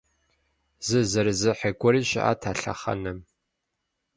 Зы зэрызехьэ гуэри щыӏат а лъэхъэнэм.